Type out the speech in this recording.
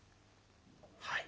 「はい。